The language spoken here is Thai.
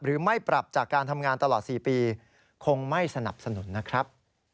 หรือไม่ปรับจากการทำงานตลอด๔ปีคงไม่สนับสนุนนะครับ